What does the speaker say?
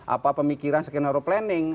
apa pemikiran skenario planning